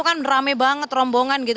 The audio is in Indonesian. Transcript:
kan rame banget rombongan gitu